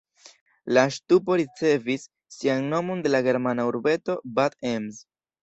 La ŝtupo ricevis sian nomon de la germana urbeto Bad Ems.